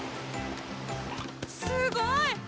すごい！